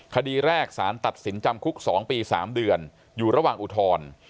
คดีแรกสารตัดสินจำคุก๒ปี๓เดือนอยู่ระหว่างอุทธรณ์